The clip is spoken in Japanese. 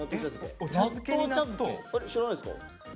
あれ知らないですか？